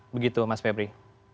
begitu mas febri